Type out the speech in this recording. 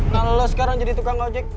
nah lolos sekarang jadi tukang ojek